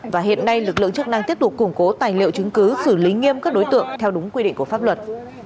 và hiện nay lực lượng chức năng tiếp tục củng cố tài liệu chứng cứ xử lý nghiêm các đối tượng theo đúng quy định của pháp luật